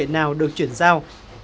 và thời nào được chuyển giao